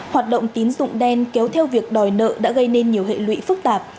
hoạt động tín dụng đen kéo theo việc đòi nợ đã gây nên nhiều hệ lụy phức tạp